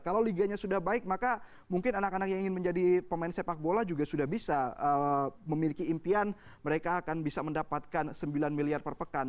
kalau liganya sudah baik maka mungkin anak anak yang ingin menjadi pemain sepak bola juga sudah bisa memiliki impian mereka akan bisa mendapatkan sembilan miliar per pekan